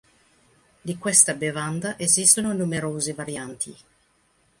Di questa bevanda esistono numerose varianti.